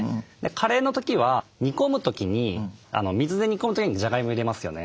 カレーの時は煮込む時に水で煮込む時にじゃがいも入れますよね。